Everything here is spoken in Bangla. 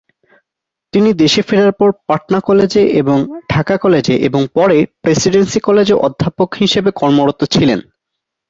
তিনি দেশে ফেরার পর পাটনা কলেজে এবং ঢাকা কলেজে এবং পরে প্রেসিডেন্সি কলেজে অধ্যাপক হিসাবে কর্মরত ছিলেন।